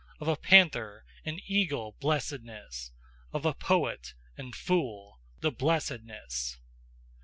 Of a panther and eagle blessedness! Of a poet and fool the blessedness!